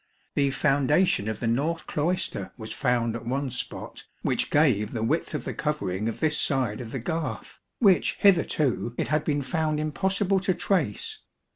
The foundation of the north cloister was found at one spot which gave the width of the covering of this side of the garth, which hitherto it had been found impossible to trace.